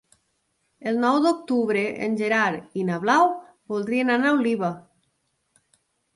El nou d'octubre en Gerard i na Blau voldrien anar a Oliva.